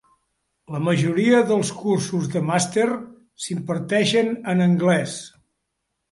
La majoria dels cursos de màster s'imparteixen en anglès.